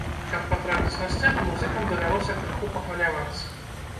Каб патрапіць на сцэну, музыкам давялося крыху пахвалявацца.